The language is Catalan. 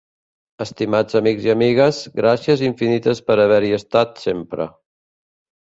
Estimats amics i amigues, gràcies infinites per haver-hi estat sempre.